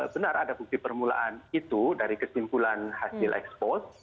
benar ada bukti permulaan itu dari kesimpulan hasil expose